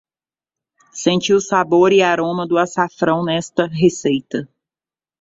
Senti o sabor e aroma do açafrão nesta receita